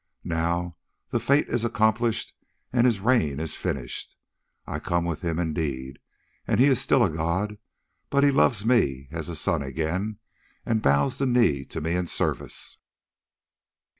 Now the fate is accomplished and his reign is finished. I come with him indeed, and he is still a god, but he loves me as a son again, and bows the knee to me in service.